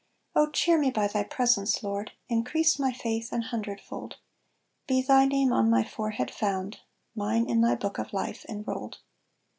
Oh! cheer me by thy presence, Lord, Increase my faith an hundred fold; Be thy name on my forehead found, Mine in thy book of life enrolled.